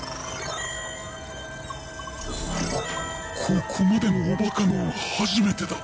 ここまでのおバカ脳は初めてだ。